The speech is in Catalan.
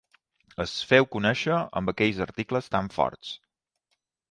Es feu conèixer amb aquells articles tan forts.